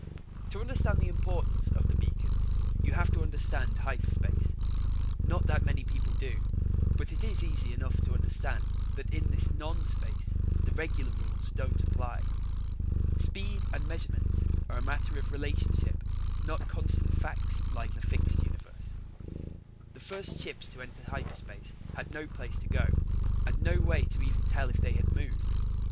To understand the importance of the beacons, you have to understand hyperspace. Not that many people do, but it is easy enough to understand that in this non space the regular rules don't apply. Speed and measurements are a matter of relationship, not constant facts like the fixed universe. The first ships to enter hyperspace had no place to go and no way to even tell if they had moved.